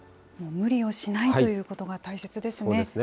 無理をしないということが大切ですね。